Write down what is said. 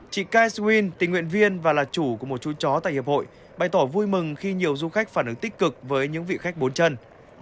chị kais gwin tình nguyện viên và là chủ của một chú chó tại hiệp hội bày tỏ vui mừng khi nhiều du khách phản ứng tích cực với những vị khách bốn chân